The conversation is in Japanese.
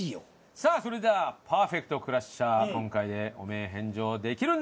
さあそれではパーフェクトクラッシャー今回で汚名返上できるんでしょうか？